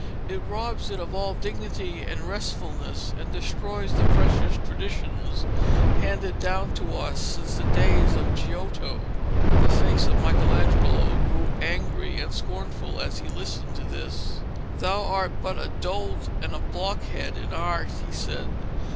It robs it of all dignity and restfulness, and destroys the precious traditions handed down to us since the days of Giotto.' The face of Michelangelo grew angry and scornful as he listened to this. 'Thou art but a dolt and a blockhead in Art,' he said.